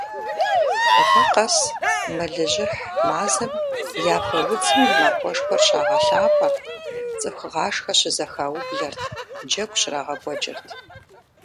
Гъэ къэс, мэлыжьыхь мазэм Япэ удзым и махуэшхуэр щагъэлъапӀэрт, цӀыхугъашхэ щызэхаублэрт, джэгу щрагъэкӀуэкӀырт.